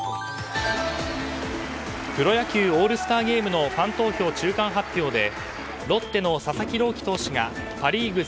プロ野球オールスターゲームのファン投票中間発表でロッテの佐々木朗希投手がパ・リーグ